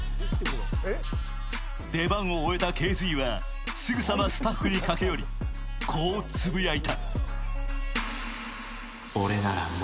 出番を終えたＫＺはすぐさまスタッフにかけよりこうつぶやいた。